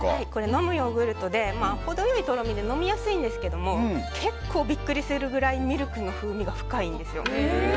飲むヨーグルトで程良いとろみで飲みやすいんですけれども結構、ビックリするぐらいミルクの風味が深いんですよ。